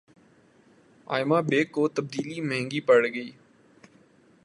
ئمہ بیگ کو تبدیلی مہنگی پڑ گئی